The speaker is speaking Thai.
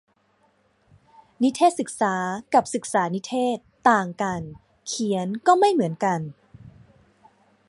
นิเทศศึกษา กับศึกษานิเทศก์ ต่างกัน เขียนก็ไม่เหมือนกัน